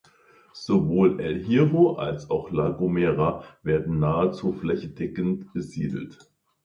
Sowohl El Hierro als auch La Gomera werden nahezu flächendeckend besiedelt.